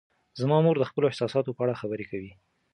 زما مور د خپلو احساساتو په اړه خبرې کوي.